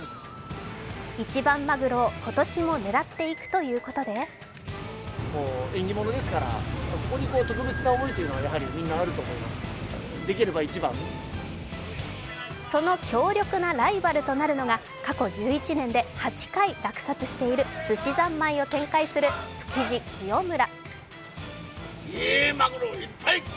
一番まぐろを今年も狙っていくということでその強力なライバルとなるのが、過去１１年で８回、落札しているすしざんまいを展開するつきじ喜代村。